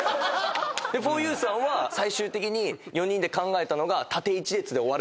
ふぉゆさんは最終的に４人で考えたのが。